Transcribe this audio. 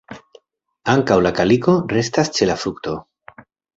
Ankaŭ la kaliko restas ĉe la frukto.